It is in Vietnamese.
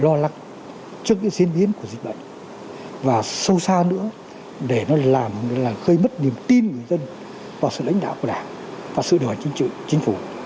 lo lắng trước cái diễn biến của dịch bệnh và sâu xa nữa để nó làm gây mất niềm tin của dân vào sự lãnh đạo của đảng và sự điều hành chính trị chính phủ